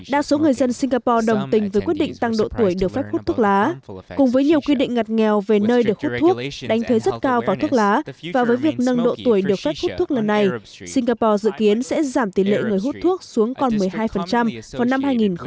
đa số người dân singapore đồng tình với quyết định tăng độ tuổi được phép hút thuốc lá cùng với nhiều quy định ngặt nghèo về nơi được hút thuốc đánh thuế rất cao vào thuốc lá và với việc nâng độ tuổi được phép hút thuốc lần này singapore dự kiến sẽ giảm tỷ lệ người hút thuốc xuống còn một mươi hai vào năm hai nghìn hai mươi